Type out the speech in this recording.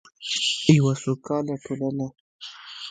یوه سوکاله ټولنه.